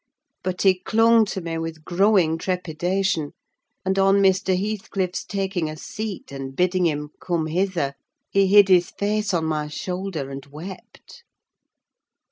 But he clung to me with growing trepidation; and on Mr. Heathcliff's taking a seat and bidding him "come hither" he hid his face on my shoulder and wept.